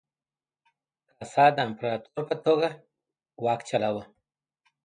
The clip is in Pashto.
کاسا د امپراتور په توګه واک چلاوه.